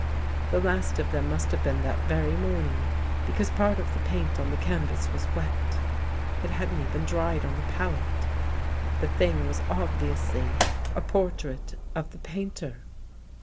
The last of them must have been that very morning, because part of the paint on the canvas was wet. It hadn't even dried on the palette. The thing was obviously a portrait of the painter.